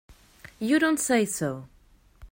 You don't say so!